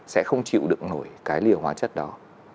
sẽ không chịu được nổi cái lìa hóa chất đó